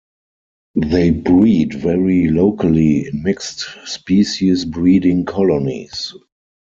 They breed very locally in mixed species breeding colonies.